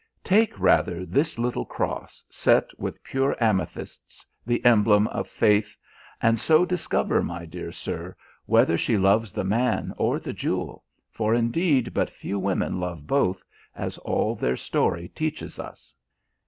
Take rather this little cross, set with pure amethysts, the emblem of faith and so discover, my dear sir, whether she loves the man or the jewel, for indeed but few women love both, as all their story teaches us."